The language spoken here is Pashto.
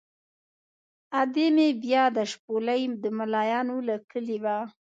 ادې مې بیا د شپولې د ملایانو له کلي وه.